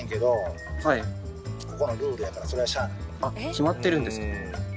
決まってるんですか。